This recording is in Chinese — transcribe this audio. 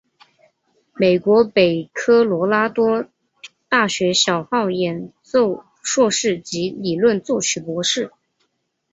美国北科罗拉多大学小号演奏硕士及理论作曲博士。